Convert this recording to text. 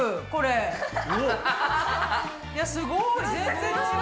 いやすごい。